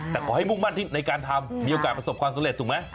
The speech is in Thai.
แต่ขอให้มุ่งมั่นที่ในการทำมีโอกาสประสบความสำเร็จถูกไหม